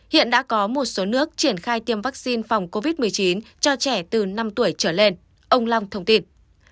hiện đã có một số nước triển khai tiêm vaccine phòng covid một mươi chín cho trẻ từ năm tuổi trở lên ông long thông tin